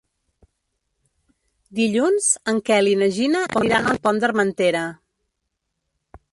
Dilluns en Quel i na Gina aniran al Pont d'Armentera.